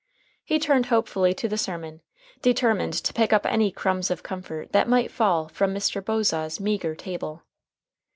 He turned hopefully to the sermon, determined to pick up any crumbs of comfort that might fall from Mr. Bosaw's meager table.